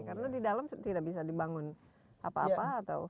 karena di dalam tidak bisa dibangun apa apa atau